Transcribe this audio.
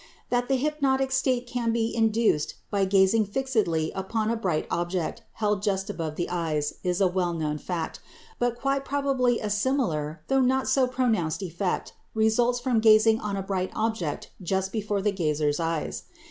That the hypnotic state can be induced by gazing fixedly upon a bright object held just above the eyes is a well known fact, but quite probably a similar though not so pronounced effect results from gazing on a bright object just before the gazer's eyes.